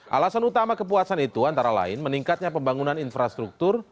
alasan utama kepuasan itu antara lain meningkatnya pembangunan infrastruktur